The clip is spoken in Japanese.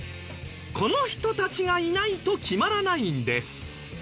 この人たちがいないと決まらないんです。